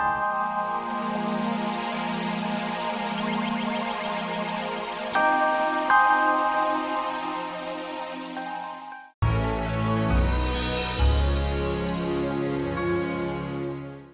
kamu bisa jadi seorang yang baik